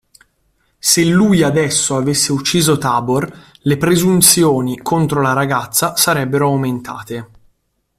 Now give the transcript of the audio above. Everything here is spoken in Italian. Se lui adesso avesse ucciso Tabor, le presunzioni contro la ragazza sarebbero aumentate.